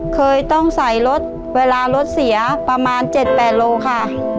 เคยต้องใส่รถเวลารถเสียประมาณ๗๘โลค่ะ